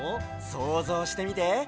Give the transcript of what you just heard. そうぞうしてみて！